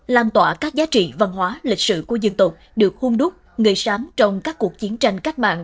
làm tỏa các giá trị văn hóa lịch sử của dân tộc được hung đúc người sám trong các cuộc chiến tranh cách mạng